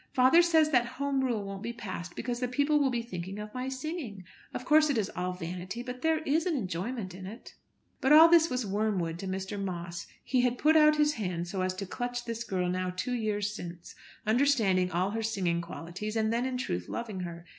Father says that Home Rule won't be passed because the people will be thinking of my singing. Of course it is all vanity, but there is an enjoyment in it." But all this was wormwood to Mr. Moss. He had put out his hand so as to clutch this girl now two years since, understanding all her singing qualities, and then in truth loving her.